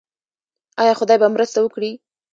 آیا خدای به مرسته وکړي؟